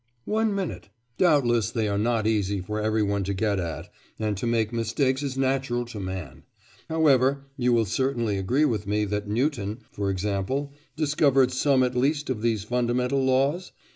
'One minute. Doubtless they are not easy for every one to get at, and to make mistakes is natural to man. However, you will certainly agree with me that Newton, for example, discovered some at least of these fundamental laws?